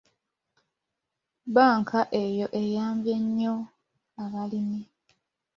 Bbanka eyo eyambye nnyo abalimi.